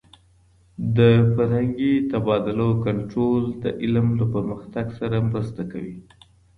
د فرهنګي تبادلو کنټرول د علم د پرمختګ سره مرسته کوي.